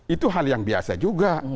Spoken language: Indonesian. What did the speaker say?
itu hal yang biasa juga